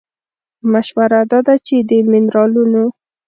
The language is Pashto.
مشوره دا ده چې د مېنرالونو